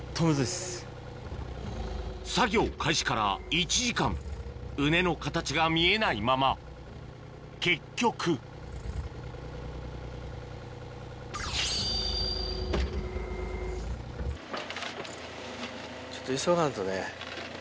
作業開始から１時間畝の形が見えないまま結局ちょっと急がんとね。